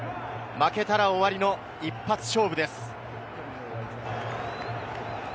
負けたら終わりの一発勝負です。